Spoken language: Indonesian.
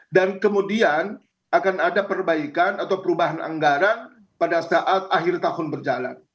dan kemudian akan ada perbaikan atau perubahan anggaran pada saat akhir tahun berjalan